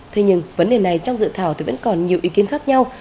thế nhưng vấn đề này trong dự thảo thì vẫn còn nhiều ý kiến khác nhau